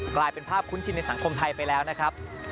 กลายเป็นภาพคุ้นชินในสังคมไทยไปแล้วนะครับ